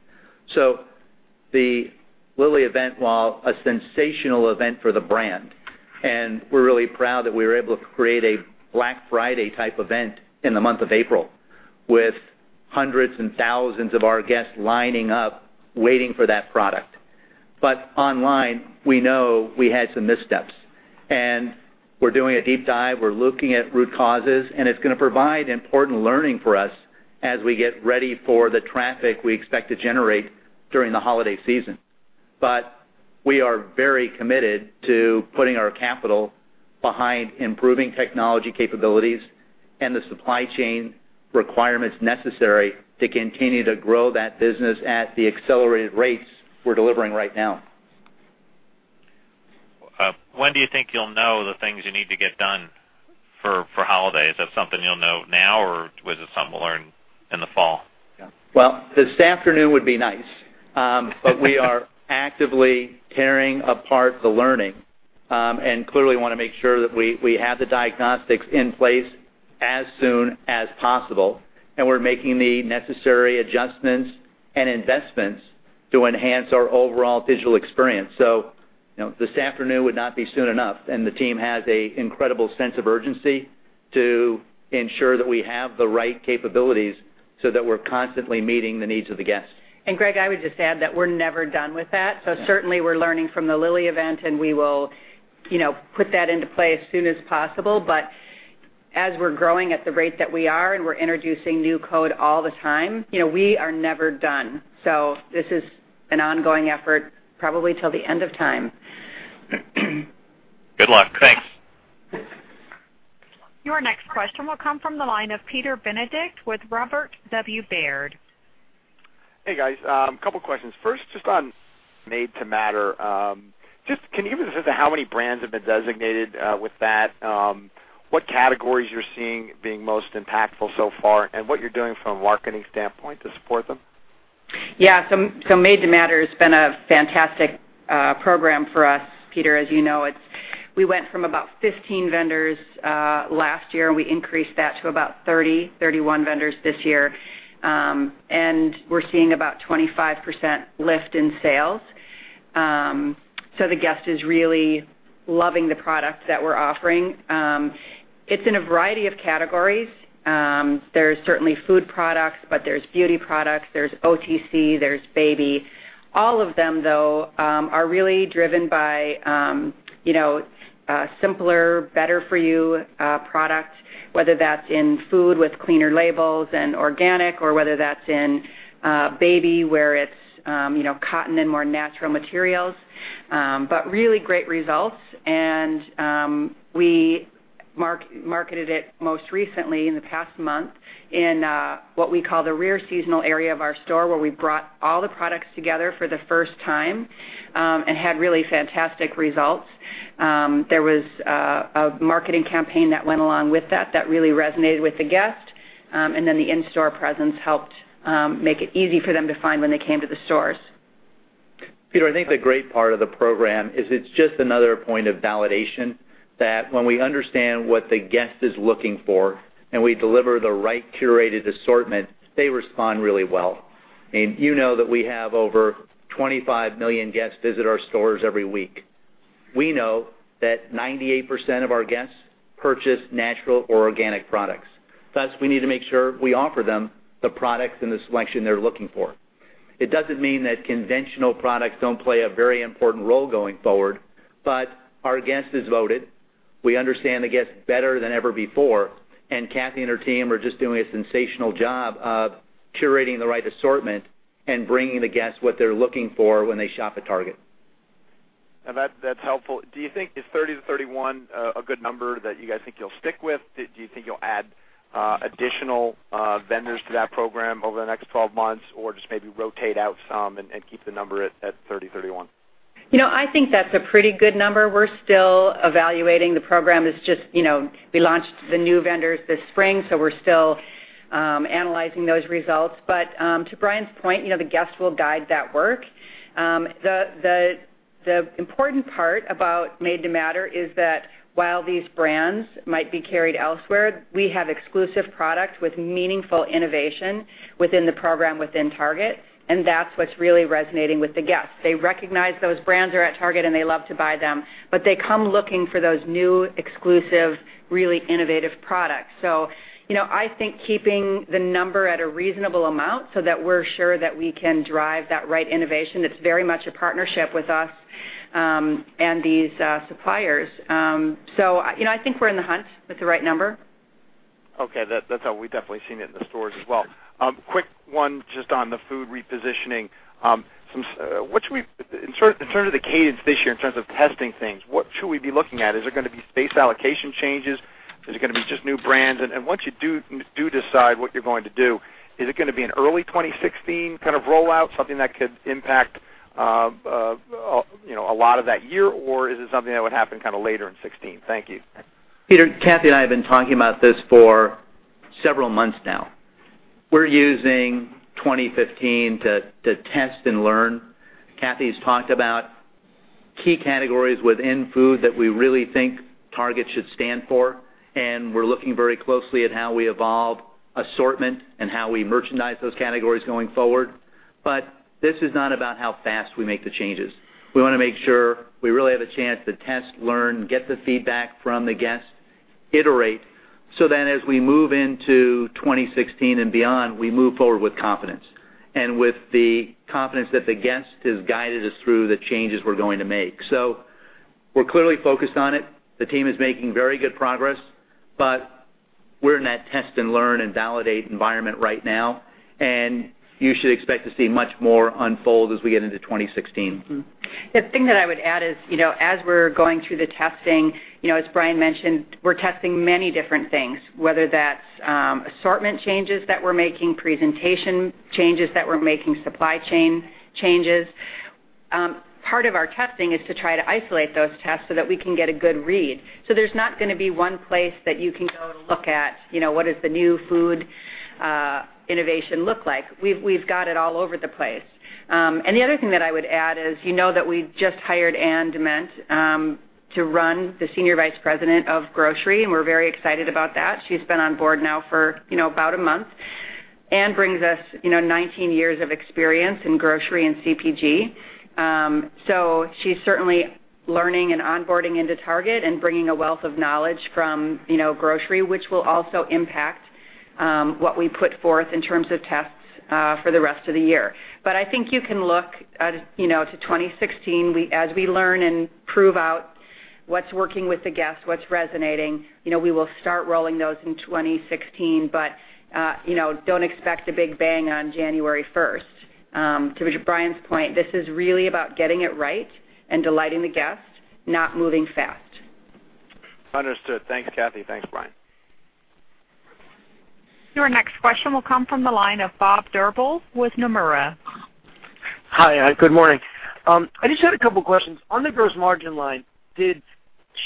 Speaker 2: The Lilly event, while a sensational event for the brand, we're really proud that we were able to create a Black Friday-type event in the month of April with hundreds and thousands of our guests lining up waiting for that product. Online, we know we had some missteps. We're doing a deep dive. We're looking at root causes. It's going to provide important learning for us as we get ready for the traffic we expect to generate during the holiday season. We are very committed to putting our capital behind improving technology capabilities. The supply chain requirements necessary to continue to grow that business at the accelerated rates we're delivering right now.
Speaker 11: When do you think you'll know the things you need to get done for holidays? Is that something you'll know now, or was it something we'll learn in the fall?
Speaker 2: Well, this afternoon would be nice. We are actively tearing apart the learning. Clearly want to make sure that we have the diagnostics in place as soon as possible. We're making the necessary adjustments and investments to enhance our overall digital experience. This afternoon would not be soon enough. The team has an incredible sense of urgency to ensure that we have the right capabilities so that we're constantly meeting the needs of the guest.
Speaker 3: Greg, I would just add that we're never done with that.
Speaker 2: Yeah.
Speaker 3: Certainly, we're learning from the Lilly event, and we will put that into play as soon as possible. As we're growing at the rate that we are, and we're introducing new code all the time, we are never done. This is an ongoing effort probably till the end of time.
Speaker 11: Good luck. Thanks.
Speaker 5: Your next question will come from the line of Peter Benedict with Robert W. Baird.
Speaker 12: Hey, guys. Couple questions. First, just on Made to Matter. Can you give us a sense of how many brands have been designated with that? What categories you're seeing being most impactful so far, and what you're doing from a marketing standpoint to support them?
Speaker 3: Yeah. Made to Matter has been a fantastic program for us, Peter, as you know. We went from about 15 vendors last year, and we increased that to about 30, 31 vendors this year. We're seeing about 25% lift in sales. The guest is really loving the product that we're offering. It's in a variety of categories. There's certainly food products, but there's beauty products, there's OTC, there's baby. All of them, though, are really driven by simpler, better-for-you product, whether that's in food with cleaner labels and organic, or whether that's in baby, where it's cotton and more natural materials. Really great results. We marketed it most recently in the past month in what we call the rear seasonal area of our store, where we brought all the products together for the first time, and had really fantastic results. There was a marketing campaign that went along with that really resonated with the guest. The in-store presence helped make it easy for them to find when they came to the stores.
Speaker 2: Peter, I think the great part of the program is it's just another point of validation that when we understand what the guest is looking for and we deliver the right curated assortment, they respond really well. You know that we have over 25 million guests visit our stores every week. We know that 98% of our guests purchase natural or organic products. Thus, we need to make sure we offer them the products and the selection they're looking for. It doesn't mean that conventional products don't play a very important role going forward. Our guest has voted. We understand the guest better than ever before. Kathee and her team are just doing a sensational job of curating the right assortment and bringing the guest what they're looking for when they shop at Target.
Speaker 12: That's helpful. Do you think, is 30-31 a good number that you guys think you'll stick with? Do you think you'll add additional vendors to that program over the next 12 months, or just maybe rotate out some and keep the number at 30, 31?
Speaker 3: I think that's a pretty good number. We're still evaluating the program. We launched the new vendors this spring. We're still analyzing those results. To Brian's point, the guest will guide that work. The important part about Made to Matter is that while these brands might be carried elsewhere, we have exclusive product with meaningful innovation within the program within Target, and that's what's really resonating with the guests. They recognize those brands are at Target and they love to buy them, but they come looking for those new, exclusive, really innovative products. I think keeping the number at a reasonable amount so that we're sure that we can drive that right innovation. It's very much a partnership with us, and these suppliers. I think we're in the hunt with the right number.
Speaker 12: Okay. That's how we've definitely seen it in the stores as well. Quick one, just on the food repositioning. In terms of the cadence this year, in terms of testing things, what should we be looking at? Is there going to be space allocation changes? Is it going to be just new brands? Once you do decide what you're going to do, is it going to be an early 2016 kind of rollout, something that could impact a lot of that year, or is it something that would happen later in 2016? Thank you.
Speaker 2: Peter, Kathee and I have been talking about this for several months now. We're using 2015 to test and learn. Kathee's talked about key categories within food that we really think Target should stand for. We're looking very closely at how we evolve assortment and how we merchandise those categories going forward. This is not about how fast we make the changes. We want to make sure we really have a chance to test, learn, get the feedback from the guest, iterate, that as we move into 2016 and beyond, we move forward with confidence, with the confidence that the guest has guided us through the changes we're going to make. We're clearly focused on it. The team is making very good progress. We're in that test and learn and validate environment right now, and you should expect to see much more unfold as we get into 2016.
Speaker 3: The thing that I would add is, as we're going through the testing, as Brian mentioned, we're testing many different things, whether that's assortment changes that we're making, presentation changes that we're making, supply chain changes. Part of our testing is to try to isolate those tests so that we can get a good read. There's not going to be one place that you can go to look at what does the new food innovation look like. We've got it all over the place. The other thing that I would add is, you know that we just hired Anne Dament to run the Senior Vice President of grocery, and we're very excited about that. She's been on board now for about a month. Anne brings us 19 years of experience in grocery and CPG. She's certainly learning and onboarding into Target and bringing a wealth of knowledge from grocery, which will also impact what we put forth in terms of tests for the rest of the year. I think you can look to 2016. As we learn and prove out what's working with the guest, what's resonating, we will start rolling those in 2016. Don't expect a big bang on January 1st. To Brian's point, this is really about getting it right and delighting the guest, not moving fast.
Speaker 12: Understood. Thanks, Kathee. Thanks, Brian.
Speaker 5: Your next question will come from the line of Bob Drbul with Nomura.
Speaker 13: Hi. Good morning. I just had a couple questions. On the gross margin line, did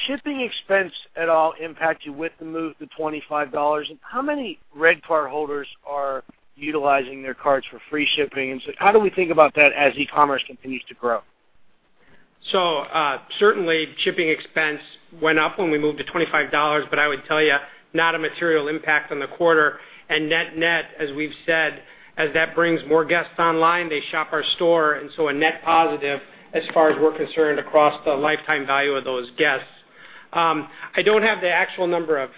Speaker 13: shipping expense at all impact you with the move to $25? How many RedCard holders are utilizing their cards for free shipping? How do we think about that as e-commerce continues to grow?
Speaker 4: Certainly, shipping expense went up when we moved to $25, but I would tell you, not a material impact on the quarter. Net-net, as we've said, as that brings more guests online, they shop our store, and so a net positive as far as we're concerned across the lifetime value of those guests. I don't have the actual number of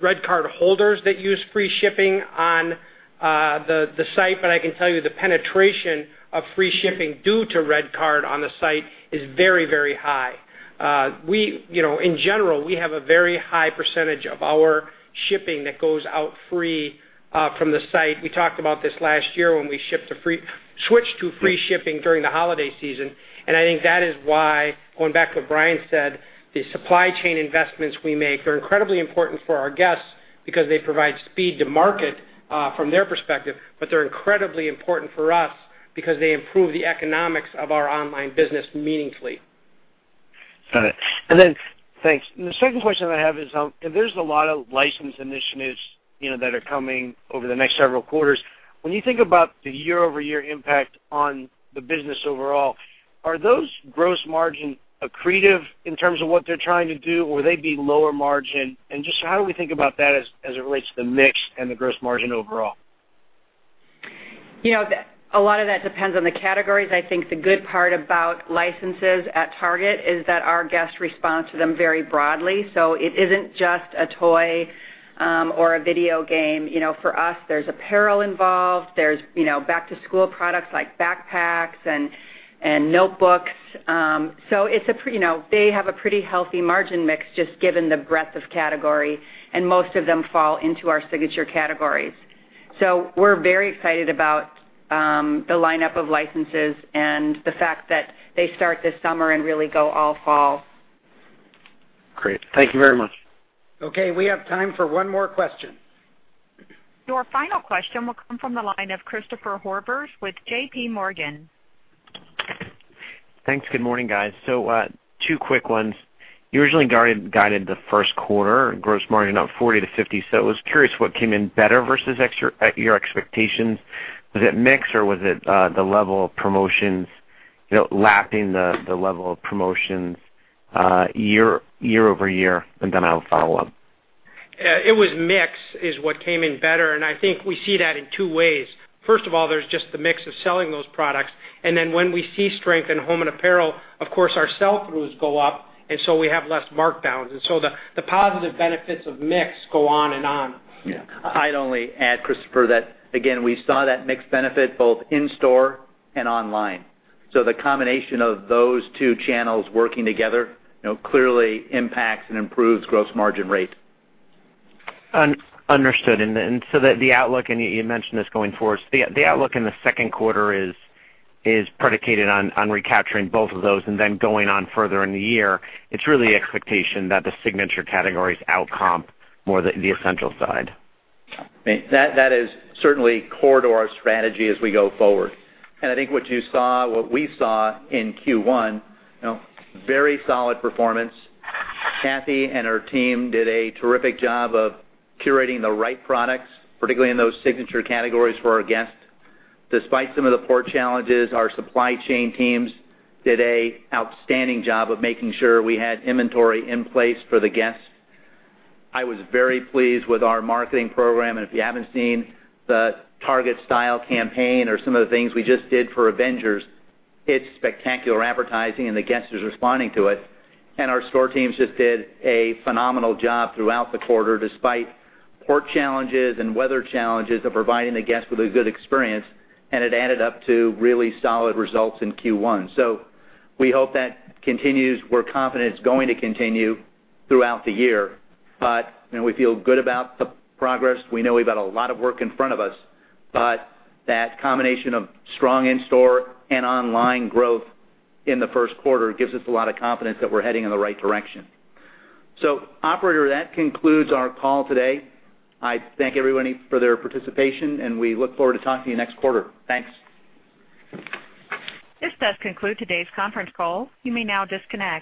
Speaker 4: RedCard holders that use free shipping on the site, but I can tell you the penetration of free shipping due to RedCard on the site is very high. In general, we have a very high percentage of our shipping that goes out free from the site. We talked about this last year when we switched to free shipping during the holiday season. I think that is why, going back to what Brian said, the supply chain investments we make are incredibly important for our guests because they provide speed to market from their perspective, but they're incredibly important for us because they improve the economics of our online business meaningfully.
Speaker 13: Got it. Thanks. The second question I have is, there's a lot of license initiatives that are coming over the next several quarters. When you think about the year-over-year impact on the business overall, are those gross margin accretive in terms of what they're trying to do, or will they be lower margin? Just how do we think about that as it relates to the mix and the gross margin overall?
Speaker 3: A lot of that depends on the categories. I think the good part about licenses at Target is that our guests respond to them very broadly. It isn't just a toy or a video game. For us, there's apparel involved, there's back-to-school products like backpacks and notebooks. They have a pretty healthy margin mix, just given the breadth of category, and most of them fall into our signature categories. We're very excited about the lineup of licenses and the fact that they start this summer and really go all fall.
Speaker 13: Great. Thank you very much.
Speaker 4: Okay, we have time for one more question.
Speaker 5: Your final question will come from the line of Christopher Horvers with JPMorgan.
Speaker 14: Thanks. Good morning, guys. Two quick ones. You originally guided the first quarter gross margin up 40 to 50, I was curious what came in better versus your expectations. Was it mix or was it the level of promotions, lacking the level of promotions year-over-year? Then I'll follow up.
Speaker 4: It was mix is what came in better, and I think we see that in two ways. First of all, there's just the mix of selling those products, then when we see strength in home and apparel, of course, our sell-throughs go up, we have less markdowns, the positive benefits of mix go on and on.
Speaker 2: I'd only add, Christopher, that again, we saw that mix benefit both in-store and online. The combination of those two channels working together, clearly impacts and improves gross margin rate.
Speaker 14: Understood. The outlook, and you mentioned this going forward, the outlook in the second quarter is predicated on recapturing both of those and then going on further in the year. It's really expectation that the signature categories outcomp more the essential side.
Speaker 2: That is certainly core to our strategy as we go forward. I think what we saw in Q1, very solid performance. Kathee and her team did a terrific job of curating the right products, particularly in those signature categories for our guests. Despite some of the port challenges, our supply chain teams did a outstanding job of making sure we had inventory in place for the guests. I was very pleased with our marketing program, and if you haven't seen the Target style campaign or some of the things we just did for Avengers, it's spectacular advertising, and the guest is responding to it. Our store teams just did a phenomenal job throughout the quarter, despite port challenges and weather challenges, of providing the guest with a good experience, and it added up to really solid results in Q1. We hope that continues. We're confident it's going to continue throughout the year. We feel good about the progress. We know we've got a lot of work in front of us, but that combination of strong in-store and online growth in the first quarter gives us a lot of confidence that we're heading in the right direction. Operator, that concludes our call today. I thank everybody for their participation, and we look forward to talking to you next quarter. Thanks.
Speaker 5: This does conclude today's conference call. You may now disconnect.